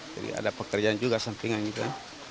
jadi ada pekerjaan juga sampingan juga